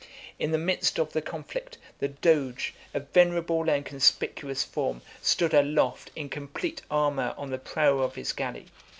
In the midst of the conflict, the doge, a venerable and conspicuous form, stood aloft in complete armor on the prow of his galley.